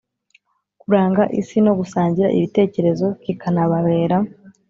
kuranga isi no gusangira ibitekerezo, kikanababera